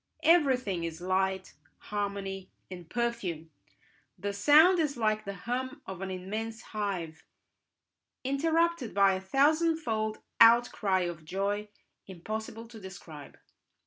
Everything is light, harmony, and perfume; the sound is like the hum of an immense hive, interrupted by a thousandfold outcry of joy impossible to describe.